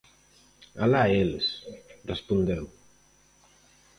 Alá eles, respondeu.